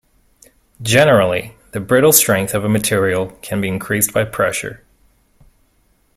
Generally, the "brittle strength" of a material can be increased by pressure.